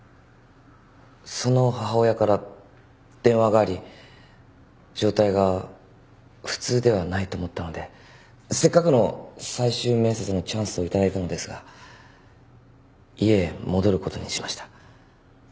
その母親から電話があり状態が普通ではないと思ったのでせっかくの最終面接のチャンスを頂いたのですが家へ戻ることにしました。